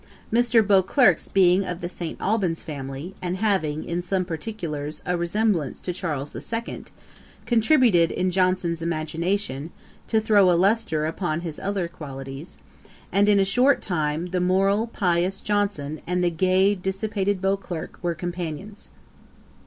Mr. Beauclerk's being of the St. Alban's family, and having, in some particulars, a resemblance to Charles the Second, contributed, in Johnson's imagination, to throw a lustre upon his other qualities; and, in a short time, the moral, pious Johnson, and the gay, dissipated Beauclerk, were companions.